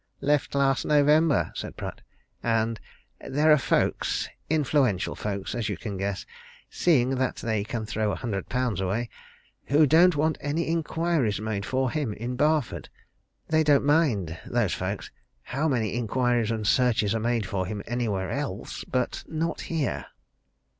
"Left last November," said Pratt. "And there are folks influential folks, as you can guess, seeing that they can throw a hundred pounds away! who don't want any inquiries made for him in Barford. They don't mind those folks how many inquiries and searches are made for him anywhere else, but not here!"